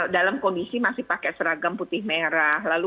dalam kondisi masih pakai seragam putih merah